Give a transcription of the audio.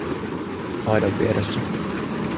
Aidan vieressä.